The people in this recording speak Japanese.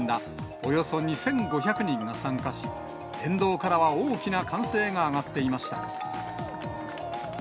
およそ２５００人が参加し、沿道からは大きな歓声が上がっていました。